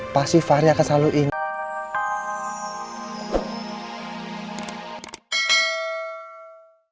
pasti fahri akan selalu ingat